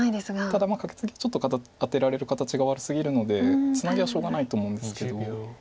ただカケツギはちょっとアテられる形が悪すぎるのでツナギはしょうがないと思うんですけど。